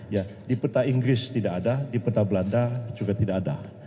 ya di peta inggris tidak ada di peta belanda juga tidak ada